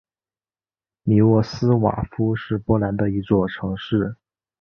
米沃斯瓦夫是波兰的一座城市。